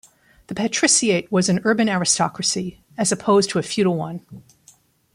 The patriciate was an urban aristocracy, as opposed to a feudal one.